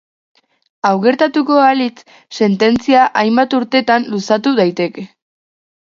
Hau gertatuko balitz, sententzia hainbat urtetan luzatu daiteke.